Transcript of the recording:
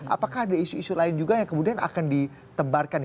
apakah ada isu isu lain juga yang kemudian akan ditebarkan